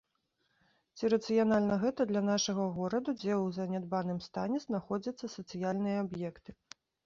Ці рацыянальна гэта для нашага гораду, дзе ў занядбаным стане знаходзяцца сацыяльныя аб'екты.